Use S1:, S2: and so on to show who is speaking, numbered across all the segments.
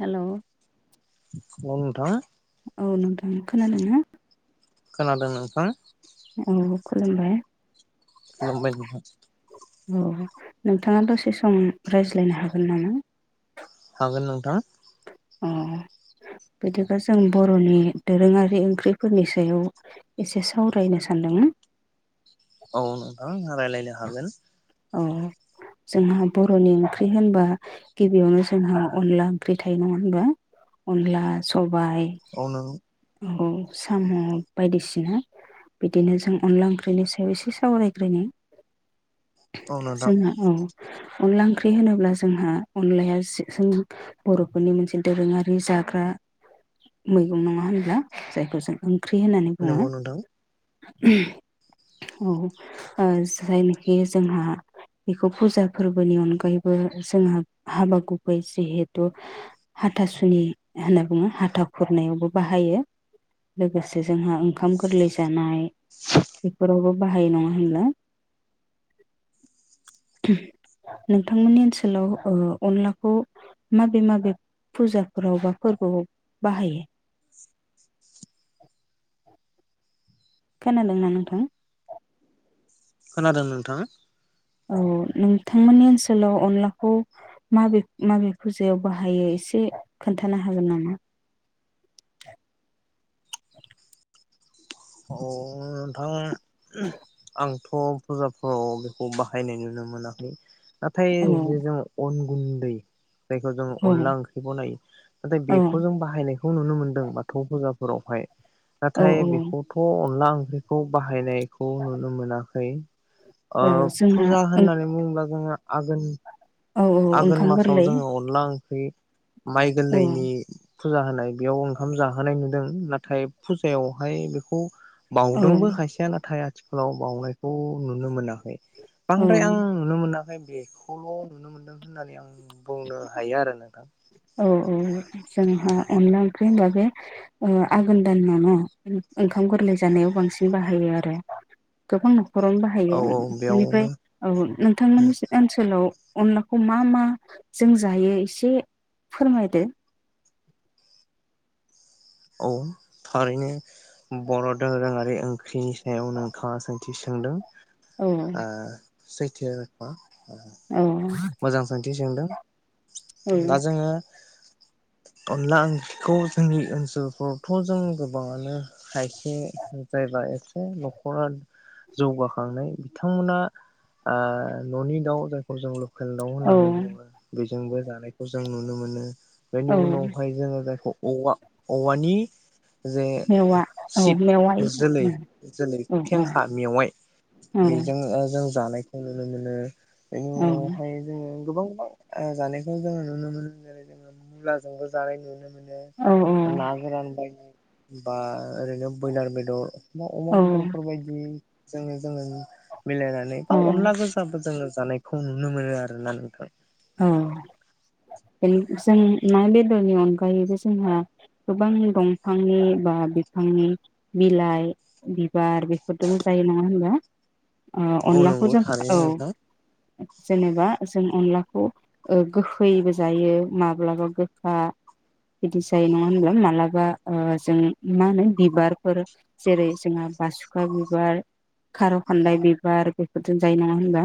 S1: Hello
S2: औ नोंथां
S1: औ नोंथां खोनादों ना
S2: खोनादों नोंथां
S1: औ खुलुमबाय
S2: लांबाय नोंहा
S1: औ नोंथाङा दसे सम रायज्लायनो हागोन नामा
S2: हागोन नोंथां
S1: अ बिदिबा जों बर'नि दोरोङारि ओंख्रिफोरनि सायाव एसे सावरायनो सानदोंमोन
S2: औ नोंथां आंहा रायलायनो हागोन
S1: औ जोंहा बर'नि ओंख्रि होनबा गिबियावनो जोंहा अनला ओंख्रि थायो नङा होनबा अनला स बाय
S2: औ नों
S1: ओं साम' बायदिसिना बिदिनो जों अनला ओंख्रिनि सायाव एसे सावरायग्रोनि
S2: औ नोंथां
S1: जोंना औ अनला ओंख्रि होनोब्ला जोंहा अनलाया जों बर'फोरनि मोनसे दोरोङारि जाग्रा मैगं नङा होन ब्ला जायखौ जों ओंख्रि होननानै बुङो
S2: नंगौ नोंथां
S1: औ ओ जायनिखि जोंहा बेखौ फुजा फोरबोनि अनगायैबो जोंहा हाबा गुबै जिहेथु हाथासुनि होनना बुङो हाथा खुरनायावबो बाहायो लोगोसे जोंहा ओंखाम गोरलै जानाय बेफोराव बाहायो नङा होनब्ला नोंथांमोननि ओनसोलाव ओ अनलाखौ माबे माबे फुजाफोराव बा फोरबोआव बाहायो [inaudible] खोनादोंना नोंथां
S2: खोनादों नोंथां
S1: औ नोंथांमोननि ओनसोलाव अनलाखौ माबे माबे फुजायाव बाहायो एसे खोनथानो हागोन नामा
S2: औ नोंथां आंथ' फुजाफोराव बेखौ बाहायनाय नुनो मोनाखै नाथाय
S1: औ
S2: जे जों अन गुनदै जायखौ जों
S1: औ
S2: अनला ओंख्रि बनायो नाथाय बेखौ जों बाहायनाय खौ नुनो मोनदों बाथौ फुजाफोरावहाय
S1: औ
S2: नाथाय बि
S1: औ
S2: खौ अनला ओंख्रिखौ बाहायनाय खौ नुनो मोना खै अ
S1: औ जोंहा
S2: फुजा
S1: औ
S2: होननानै बुङोब्ला जोंहा आगोन
S1: औ औ ओंखाम गोरलै
S2: ख्रि माइ
S1: औ
S2: गोरलैनि फुजा होनाय बेयाव ओंखाम जाहोनाय नुदों नाथाय फुजायावहाय बेखौ
S1: औ
S2: बाउदोंबो खायसेया नाथाय आथिखालाव बावनायखौ नुनो मोनाखै
S1: औ
S2: बांद्राय आं नुनो मोनाखै बेखौल' नुनो मो नो होननानै आं बुंनो हायो आरो नोंथां
S1: औ औ जोंहा अनला ओंख्रि होनबा बे आघोन दानाव न ओंखाम गोरलै जानायाव बांसिन बाहायो आरो गोबां न खरावनो
S2: औ
S1: बाहायो
S2: औ
S1: बेनिफ्राय
S2: बेयावनो
S1: औ नोंथांमोननि ओनसोलाव अनलाखौ मा मा जों जायो एसे फोरमायदो
S2: औ थारैनो बर' दोरोङारि ओंख्रिनि सायाव नोंथाङा सोंथि सोंदों
S1: औ
S2: ओ सैथो [unintelligible]
S1: औ
S2: मोजां सोंथि सोंदों
S1: औ
S2: दा जोङो अनला ओंख्रिखौ जोंनि ओनसोलफोरावथ' जों गोबाङानो खायसे जायबा एसे न'खरा जौगाखांनाय बिथांमोना ओ न'नि दाउ जायखौ जों ल केल दाउ
S1: औ
S2: होननानै बुङो बे जोंबो जानायखौ जों नुनो मोनो बेनि
S1: औ
S2: उनावहाय जोङो जायखौ औवा औवानि जे
S1: मेवा औ
S2: सिट
S1: मेवाइ
S2: जोलै
S1: औ
S2: जोलै
S1: औ औ
S2: फेंखा मेवाइ
S1: औ
S2: बेजों जों जानायखौ नुनो मोनो बेनि उनाव जोङो गोबां गोबां ओ जानायखौ जोङो नुनो मोनो जेरै जोङो मुलाजोंबो जानाय नुनो मो नो
S1: औ
S2: ना गोरान बायनार बा ओरैनो ब्रयलार बेदर अमा अमा
S1: औ
S2: बेदरफोर बायदि जोङो जोङो मिलायनानै बा
S1: औ
S2: अनला गोजाबो जोङो जानायखौ नुनो मोना आरो ना नोंथां
S1: औ जों ना बेदरनि अनगायैबो जोंहा गोबां दंफांनि बा बिफांनि बिलाइ बिबार बेफोरदोबो जायो नङा होनबा ओ
S2: औ
S1: अनलाखौ
S2: नंगौ
S1: जों औ
S2: थारैनो नोंथां
S1: जेनेबा जों अनला खौ ओ गोखैबो जायो माब्लाबा गोखा बिदि जायो नङा होनबा माब्लाबा ओ जों मा होनो बिबारफोर जेरै जोंहा बासुखा बिबार खार' खानदाय बिबार बेफोरजों जायो नङा होनबा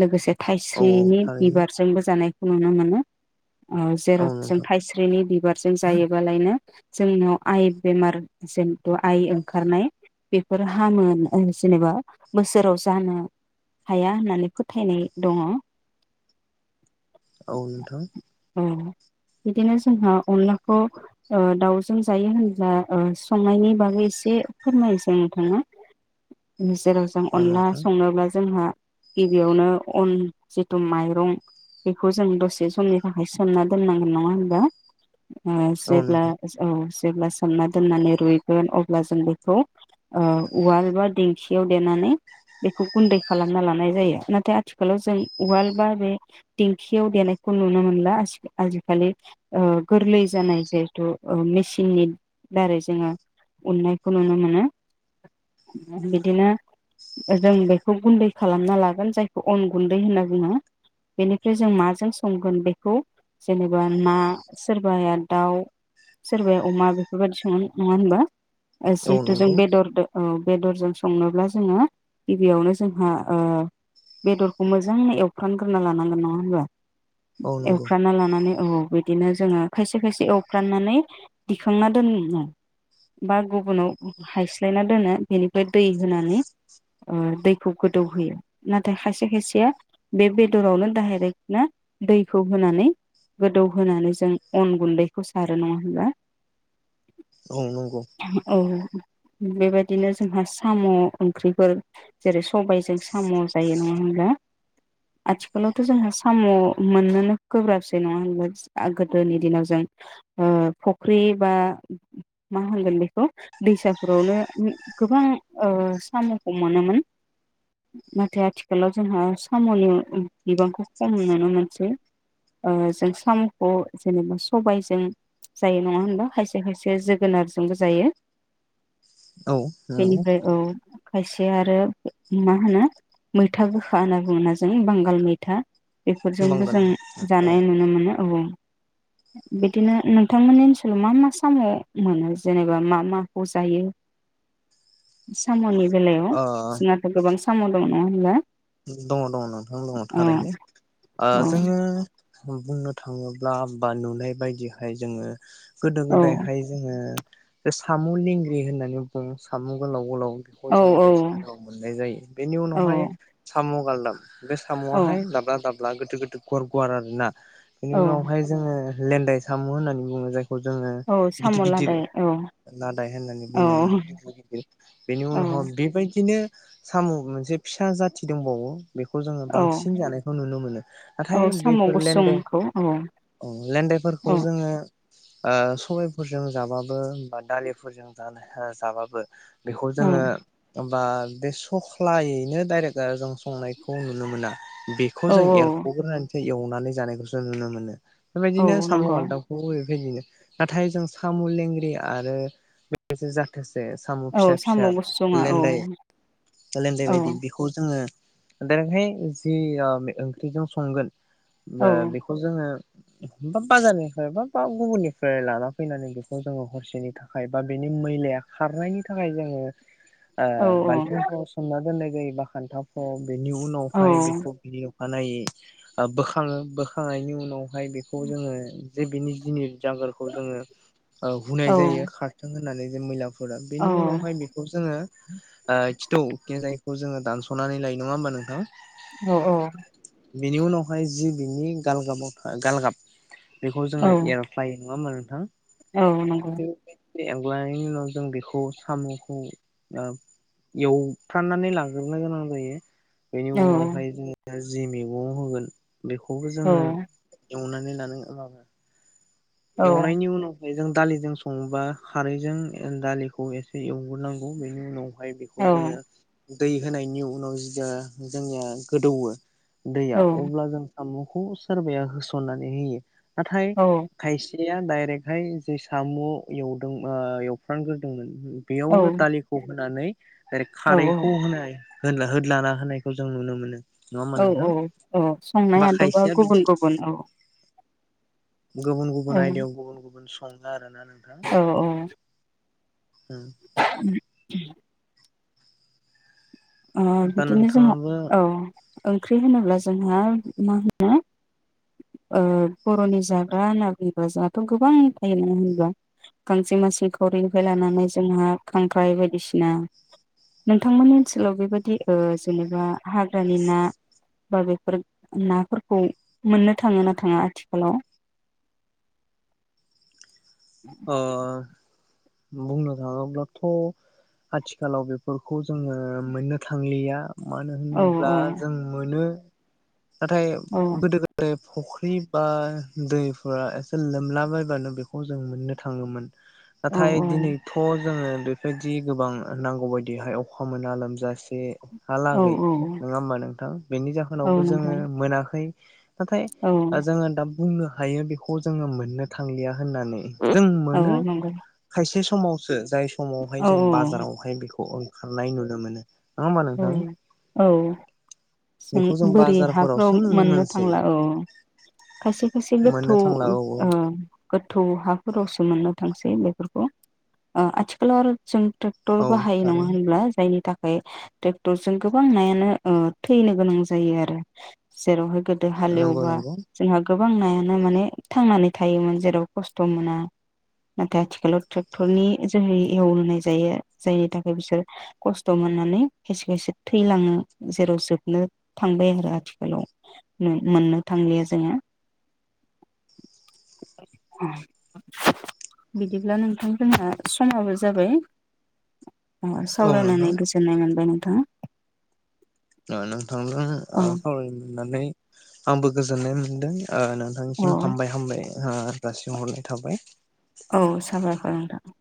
S1: लोगोसे
S2: औ
S1: थाइस्रिनि
S2: थारैनो
S1: बिबार जोंबो जानायखौ नुनो मोनो औ जेराव जों थाइस्रिनि बि बारजों जायोबालायनो जोंनियाव आइ बेमार जेनथ' आइ ओंखारनाय बेफोर हामो जेनेबा बोसोराव जानो हाया होननानै फोथायनाय दङ
S2: औ नोंथां
S1: औ बिदिनो जोंहा अनलाखौ ओ दाउजों जायो होनब्ला ओ संनायनि बागै एसे फोरमायसै आं नोंथांनो [unintelligible] अनला
S2: नोंथां
S1: संनोब्ला जोंहा गिबियावनो अन जितु माइ रं बेखौ जों दसे समनि थाखाय सोमना दोननांगोन नङा होनबा ओ
S2: औ नोंथां औ
S1: जेब्ला
S2: नोंथां
S1: औ जेब्ला सोमना दोननानै रुगोन अब्ला जों बेखौ ओ उवाल बा दिंखियाव देनानै बेखौ गुन्दै खालाम लानाय जायो नाथाय आथिलाव जों उवाल बा बे दिंखियाव देनायखौ नुनो मोनला आसि आजिखालि ओ गोरलै जानाय जहेथु ओ मेसिननि दारै जोङो उननायखौ नुनो मोनो बिदिनो ओजों बेखौ गुन्दै खालामना लागोन जायखौ अन गुन्दै होनना बुङो बेनिफ्राय जों माजों संगोन बेखौ जेनेबा ना सोरबाया दाउ सोरबाया अमा बेफोरबायदि संगोन नङा होनबा ओ
S2: औ
S1: जिहेथु जों
S2: नंगौ
S1: बेदरदो औ बेदरजों संनोब्ला जोङो गिबियावनो जोंहा ओ बेदरखौ मोजां एव फ्रामग्रोना लानांगोन नङा होनबा
S2: औ नंगौ
S1: एवफ्राना लानानै औ बिदिनो जोङो खायसे खायसे एवफ्राननानै दिखांना दोनो बा गुबुनाव हायस्लायना दोनो बिनिफ्राय दै होनानै ओ दैखौ गोदौहोयो नाथाय खायसे खायसेया बे बेदरावनो डाइरेक्ट नो दैखौ होनानै गोदौहोनानै जों अन गुन्दैखौ सारो नङा होनबा
S2: औ नोंगौ
S1: औ बेबायदिनो जोंहा साम' ओंख्रिफोर जेरै सबायजों साम' जायो नङा होनब्ला आथिखालावथ' जोंहा साम' मोननोनो गोब्राबसै नङा होनबा आ गोदोनि दिनाव जों ओ फख्रि बा मा होनगोन बेखौ दैसाफोरावनो गोबां ओ साम'खौ मोनोमोन नाथाय आथिखालाव जोंहा साम'नि ओ बिबांखौ खम नुनो मोनसै ओ जों साम'खौ जेनेबा सबायजों जायो नङा होनबा खायसे खायसे जोगोनारजोंबो जायो
S2: औ नंगौ
S1: बेनिफाय औ खायसेया आरो मा होनो मैथा गोखा होना बुङोना जों बांगाल मैथा बेफोरजोंबो
S2: बांगाल
S1: जों
S2: औ
S1: जानाय नुनो मोनो औ बिदिनो नोंथांमोननि ओनसोलाव मा मा साम' मोनो जेनेबा मा माखौ जायो साम'नि बेलायाव
S2: ओ
S1: जोंनाथ' गोबां साम' दं नङा होनबा
S2: दङ दङ नोंथां दङ
S1: औ
S2: थारैनो आ
S1: औ
S2: जोङो जों बुंनो थाङोब्ला बा नुनाय बायदिहाय जोङो गोदो गोदायहाय जोङो बे साम' लेंग्रि होननानै बुङो साम' गोलाव गोलाव बेख'
S1: औ
S2: जोङो
S1: औ
S2: दैसाफोराव मोननाय जायो बेनि
S1: औ
S2: उनावहाय साम' गालदाब बे साम'आहाय
S1: औ
S2: दाब्ला दा ब्ला गोदो गोदो गुवार गुवार आरो ना बेनि
S1: औ
S2: उनावहाय जोङो लेेनन्दाय साम' होन्नानै बुङो जाय खौ जोङो
S1: औ साम'
S2: गिदिर गिदिर
S1: लादाय औ
S2: लादाय होननानै
S1: औ
S2: बुङो बेदि गिदिर गिदिर बेनि
S1: औ
S2: उनाव बेबायदिनो साम' मोनसे फिसा जा थि दंबावो बेखौ जोङो
S1: औ
S2: बांसिन जानायखौ नुनो मोनो
S1: औ
S2: नाथाय
S1: साम'
S2: बैफोर लेन्डे
S1: गुसुंखौ औ
S2: ओ
S1: औ
S2: लेनदेफोरखौ जोङो ओ सबायफोरजों जाबाबो बा दालिफोरजों जा जाबाबो बेखौ
S1: औ
S2: जोङो होनबा बे सख्लायैनो डाइरेक्ट जा जों संनायखौ नुनो मोना बेखौ
S1: औ
S2: जों एरख'ग्रोनानैसो एव नानै जानायखौसो नुनो मोनो
S1: औ
S2: बेबायदिनो साम'
S1: नंगौ
S2: गालदाबखौबो बेबायदिनो नाथाय जों साम' लेंगिरि आरो बे जाथो से साम'
S1: औ
S2: फिसा
S1: साम'
S2: फिसा
S1: गुसुङा औ
S2: लेनदाइ लेनदाइ
S1: औ
S2: बायदि बि खौ जोङो दाइरेकहाय जि ओ ओंख्रिजों संगोन
S1: औ
S2: दा बेखौ जोङो बा बाजारनिफ्राय बा बा गुबुननिफ्राय लाना फैनानै बेखौ जोङो हरसेनि थाखाय बा बेनि मैलाया खारनायनि थाखाय जोङो आ
S1: औ
S2: बालथिंफोराव सोमना दोननाय जायोबा [unintelligible] बेनि
S1: औ
S2: उनावहाय बेखौ [unintelligible] मानै बोखाङो बोखांनायनि उनाव हाय बेखौ जोङो जे बिनि जिनिर जांगारखौ जोङो ओ हुनाय जायो खारथों हो नानै जे मैला फोरा‌
S1: औ
S2: बेनि उनावहाय बेखौ जोङो। ओ खिथौ बिथिंजायखौ जोङो दान सनानै लायो नङा होमबा नोंथां?
S1: अ औ
S2: बिनि उनावहाय जि बिनि गालगाबाव था गालगाब बेखौ
S1: औ
S2: जोङो एर'फ्लाय नङा होमबा नोंथां?
S1: औ नंगौ
S2: [unintelligible] उनाव जों बेखौ साम'खौ ओ एवफ्राननानै लाग्रो नो गोनां जायो
S1: औ
S2: बेनि
S1: औ
S2: उनावहाय जोंङो। जि मेगं होगोन बेखौबो जोङो
S1: औ औ
S2: एवनानै लानो माबा एवनायनि उनाव खारैजों दालिजों सङोबा खारैजों दालिखौ एसे एवग्रोनांगौ बेनि उनाव बेहाय बेखौ जोङो दै होनायनि उनाव जिया जोंनिया गोदौवो दैया अब्ला जों सामु खौ सोरबाया होसननानै होयो। नाथाइ
S1: औ
S2: खायसेया डाइरेक्टहाय जे साम' एवदों ओ एवफ्रामग्रोदोंमोन। बेयावनो दालिखौ होनानै ओरै
S1: औ
S2: खारैखौ होनाय हो होदलाना होनायखौ जों नुनो मोनो। नङा होमबा
S1: औ औ
S2: नोंथां
S1: औ संनायाथ' बा
S2: खायसेया
S1: गुबुन
S2: बिदि
S1: गुबुन औ
S2: गुबुन
S1: औ
S2: गुबुन आयदायाव गुबुन गुबुन सङोना आरोना। नोंथां
S1: औ औ
S2: उम
S1: ओ
S2: दा
S1: बिदिनो जोंङो
S2: नोंथाङाबो
S1: औ ओंख्रि होनोब्ला जोंहा मा होनो ओ बर'नि जाग्रा होनना बुंबा जोंहाथ' गोबां थायो ना होनोब्ला गांजेमा सेंखावरिनिफ्राय लानानै जोंहा खांख्राइ बायदिसिना नोंथांमोननि ओनसोलाव बेबायदि ओ जेनेबा हाग्रानि ना बा बेफोर नाफोरखौ मोननो थाङो ना थाङा आथिखालाव
S2: अ बुंनो थाङोब्लाथ' आथिखालाव बेफोरखौ जोङो मोननो थांलिया मानो
S1: औ
S2: होनोब्ला
S1: औ
S2: जों मोनो नाथाय
S1: औ
S2: गोदो गोदाय फुख्रि बा दैफोरा एसे लोमलाबायबानो बेखौ जों मोननो थाङोमोन
S1: औ
S2: नाथाय दिनैथ' जोङो बेफोरबादि गोबां नांगौ बायदिहाय अखा मोना लोमजासे
S1: औ
S2: हालागै नङा होमबा नोंथां बेनि
S1: औ
S2: जाहोनावबो
S1: नंगौ
S2: जोङो मोनाखै नाथाय
S1: औ
S2: जोङो दा बुंनो हायो बेखौ जोङो मोननो थांलिया होननानै जों
S1: औ
S2: मोनो
S1: नंगौ
S2: खायसे समावसो जाय समावहाय
S1: औ
S2: जों बाजारावहाय बेखौ खारनाय नुनो मानो
S1: औ औ
S2: बेखौ
S1: जों बोरि हाफ्राव
S2: बाजारफोरावसो नुनो
S1: मोननो
S2: मोनसै
S1: थांला औ खायसे खायसे गोथौ औ गोथौ हा फोरावसो मोननो थांसै बेफोरखौ ओ आथिखालाव आरो जों ट्रेक्टर
S2: औ
S1: बाहायो नङा
S2: थारैनो
S1: होनब्ला जायनि था [unintelligible] ट्रेक्टर जों गोबां नायानो ओ थैनो गोनां जायो आरो जेरावहाय गो दो
S2: नंगौ
S1: हालेवबा
S2: नंगौ
S1: जोंहा गोबां नायानो माने थांनानै थायोमोन जेराव खस्थ' मोना नाथाय आथिखालाव ट्रेक्टरनि जोहै एवलोनाय जायो जायनि थाखाय बिसोर खस्थ' मोननानै खायसे खायसे थैलाङो जेराव जोबनो थांबाय आरो आथिखालाव नो मोननो थांलिया जोङो बिदिब्ला नोंथां जोंहा समाबो जाबाय ओ
S2: औ
S1: सावरायनानै
S2: नोंथां
S1: गोजोननाय मोन बाय नोंथां
S2: ओ नोंथांजों
S1: औ
S2: ओ सावरानो मोननानै आंबो गोजोननाय मोनदों ओ
S1: औ
S2: नोंथांनिसिम हामबाय हामबाय ओ जासिहरनाय थाबाय
S1: औ साबायखर नोंथां